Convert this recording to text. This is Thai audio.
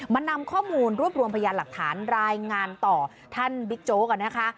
นำข้อมูลรวบรวมพยานหลักฐานรายงานต่อท่านบิ๊กโจ๊กนะคะ